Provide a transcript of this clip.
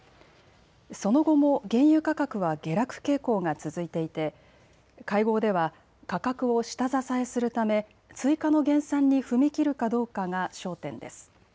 その後も原油価格は下落傾向が続いていて会合では価格を下支えするため追加の減産に踏み切るかどうかが焦点です。